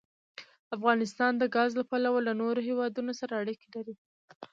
افغانستان د ګاز له پلوه له نورو هېوادونو سره اړیکې لري.